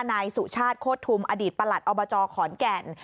นายสุชาติโคตรทุมอดีตประหลัดอบจขอนแก่น